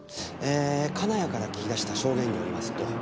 金谷から聞き出した証言によりますと